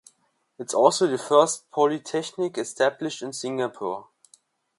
It is also the first polytechnic established in Singapore.